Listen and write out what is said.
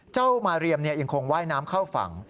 เจ้ามาเรียมยังคงว่ายน้ำเข้าฝั่ง